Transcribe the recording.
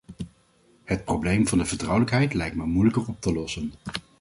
Het probleem van de vertrouwelijkheid lijkt me moeilijker op te lossen.